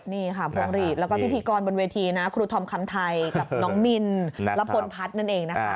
นี่ค่ะพวงหลีดแล้วก็พิธีกรบนเวทีนะครูธอมคำไทยกับน้องมินและพลพัฒน์นั่นเองนะคะ